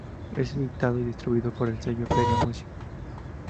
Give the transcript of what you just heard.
Es editado y distribuido por el sello Feria Music.